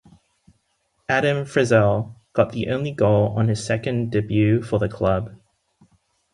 Adam Frizzell got the only goal on his second debut for the club.